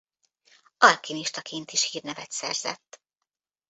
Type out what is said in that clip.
Alkimistaként is hírnevet szerzett.